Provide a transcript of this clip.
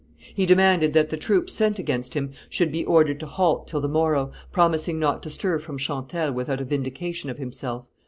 He demanded that the troops sent against him should be ordered to halt till the morrow, promising not to stir from Chantelle without a vindication of himself.